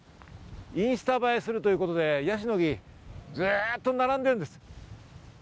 インスタ映えするということでヤシの木、ずっと並んでいるんです。